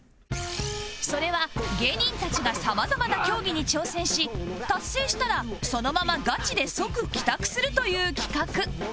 それは芸人たちがさまざまな競技に挑戦し達成したらそのままガチで即帰宅するという企画